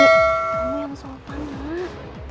kamu yang sopan pak